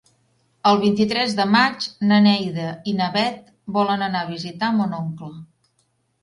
El vint-i-tres de maig na Neida i na Bet volen anar a visitar mon oncle.